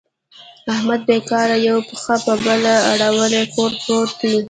احمد بېکاره یوه پښه په بله اړولې کور پورت دی.